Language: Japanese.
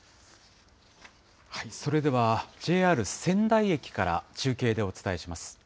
それでは、ＪＲ仙台駅から中継でお伝えします。